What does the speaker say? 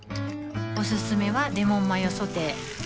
おすすめはレモンマヨソテー